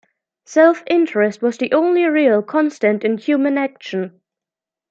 Self-interest was the only real constant in human action.